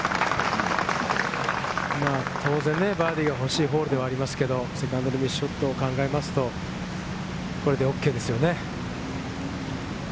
当然、バーディーがほしいホールではありますけど、セカンドのミスショットを考えますと、これでＯＫですね。